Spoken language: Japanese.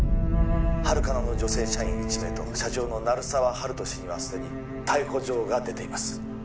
ハルカナの女性社員１名と社長の鳴沢温人氏にはすでに逮捕状が出ています